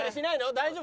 大丈夫？